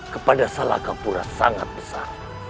kepada salakapura sangat besar